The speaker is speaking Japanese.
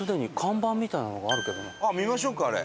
あっ見ましょうかあれ。